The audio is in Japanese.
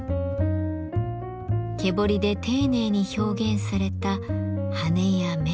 蹴彫りで丁寧に表現された羽や目。